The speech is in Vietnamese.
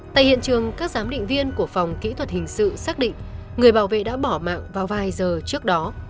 tại hiện trường các giám định viên của phòng kỹ thuật hình sự xác định người bảo vệ đã bỏ mạng vào vài giờ trước đó